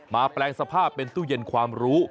แปลงสภาพเป็นตู้เย็นความรู้